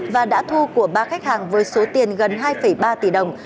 và đã thu của ba khách hàng với số tiền gần hai ba tỷ đồng